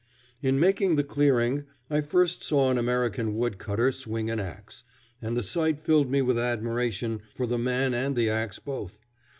In making the clearing, I first saw an American wood cutter swing an axe, and the sight filled me with admiration for the man and the axe both.